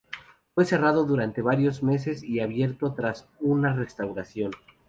Fue cerrado durante varios meses y reabierto tras una restauración.